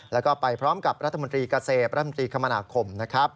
แล้วก็ไปพร้อมกับรัฐมนตรีกาเซพระรฯมนตรีคมนาคม